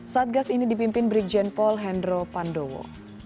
satgas ini dipimpin brigjen paul hendro pandowo